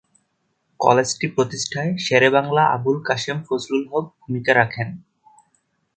কলেজটি প্রতিষ্ঠায় শেরে বাংলা আবুল কাশেম ফজলুল হক ভূমিকা রাখেন।